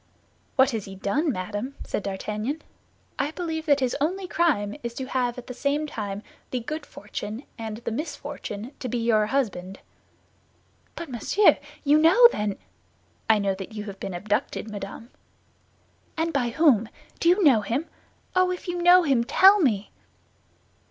"What has he done, madame?" said D'Artagnan. "I believe that his only crime is to have at the same time the good fortune and the misfortune to be your husband." "But, monsieur, you know then—" "I know that you have been abducted, madame." "And by whom? Do you know him? Oh, if you know him, tell me!"